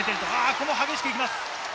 ここも激しく行きます。